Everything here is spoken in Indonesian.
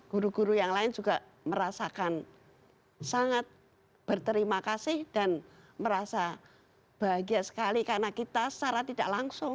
guru guru yang lain juga merasakan sangat berterima kasih dan merasa bahagia sekali karena kita secara tidak langsung